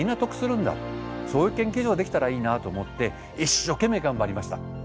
そういう研究所ができたらいいなと思って一生懸命頑張りました。